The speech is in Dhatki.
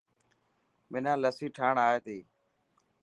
منا لسي ٺاهڻ آي تي.